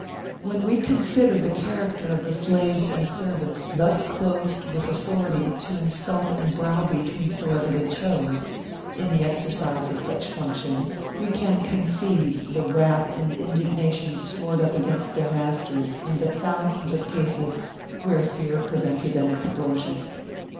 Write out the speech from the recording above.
2 When we consider the character of the slaves and servants thus clothed with authority to insult and browbeat whomsoever they chose, in the exercise of such functions, we can conceive the wrath and indignation stored up against their masters in the thousands of cases where fear prevented an explosion.